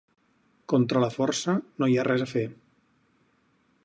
Contra la força no hi ha res a fer.